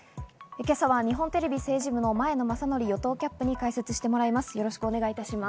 今朝は日本テレビ政治部・前野全範与党キャップに解説してもらいます。